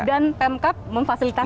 dan pemkap memfasilitasi ya